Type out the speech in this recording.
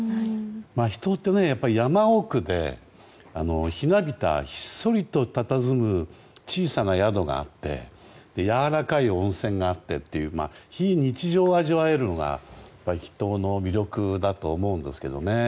人ってやっぱり山奥でひっそりとたたずむ小さな宿があってやわらかい温泉があってという非日常を味わえるのが秘湯の魅力だと思うんですけどね。